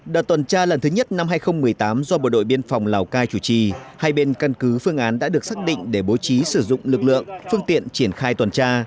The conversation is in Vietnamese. đợt tuần tra lần thứ nhất năm hai nghìn một mươi tám do bộ đội biên phòng lào cai chủ trì hai bên căn cứ phương án đã được xác định để bố trí sử dụng lực lượng phương tiện triển khai tuần tra